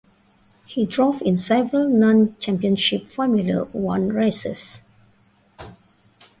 He drove in several non-Championship Formula One races.